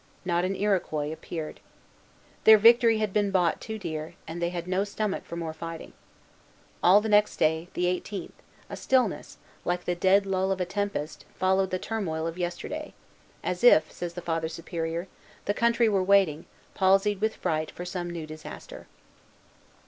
Not an Iroquois appeared. Their victory had been bought too dear, and they had no stomach for more fighting. All the next day, the eighteenth, a stillness, like the dead lull of a tempest, followed the turmoil of yesterday, as if, says the Father Superior, "the country were waiting, palsied with fright, for some new disaster."